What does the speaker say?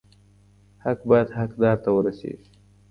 حق بايد حقدار ته ورسيږي.